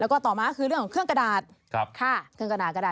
แล้วก็ต่อมาคือเรื่องของเครื่องกระดาษ